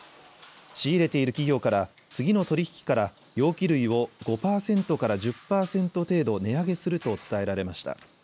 仕入れている企業から次の取り引きから容器類を５％から１０％程度値上げすると伝えられました。